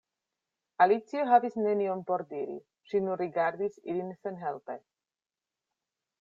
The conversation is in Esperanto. Alicio havis nenion por diri; ŝi nur rigardis ilin senhelpe.